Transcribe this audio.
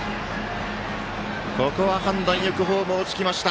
ここは判断よくホームをつきました！